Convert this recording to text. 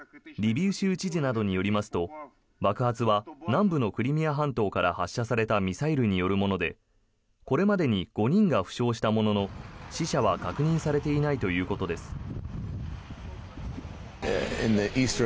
リビウ州知事などによりますと爆発は南部のクリミア半島から発射されたミサイルによるものでこれまでに５人が負傷したものの死者は確認されていないということです。